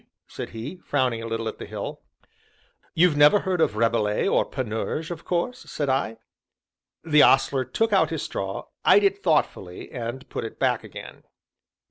said he, frowning a little at the hill. "You've never heard of Rabelais, or Panurge, of course," said I. The Ostler took out his straw, eyed it thoughtfully, and put it back again.